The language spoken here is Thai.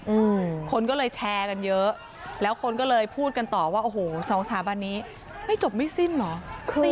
อืมคนก็เลยแชร์กันเยอะแล้วคนก็เลยพูดกันต่อว่าโอ้โหสองสถาบันนี้ไม่จบไม่สิ้นเหรอ